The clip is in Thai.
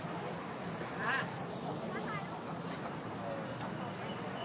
โปรดติดตามต่อไป